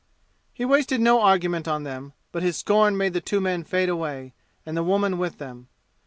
He wasted no argument on them, but his scorn made the two men fade away, and the woman with them.